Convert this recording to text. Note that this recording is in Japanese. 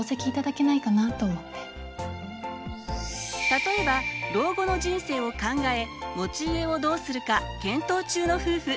例えば老後の人生を考え持ち家をどうするか検討中の夫婦。